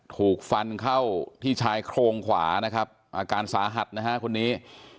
ถูกฟันเข้าที่ชายโครงขวานะครับอาการสาหัสนะฮะคนนี้